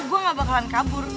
gue gak bakalan kabur